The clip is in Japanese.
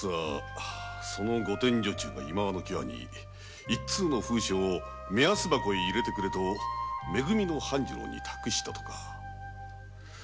御殿女中がいまわの際に一通の封書を目安箱に入れてくれとめ組の半次郎に託したとか。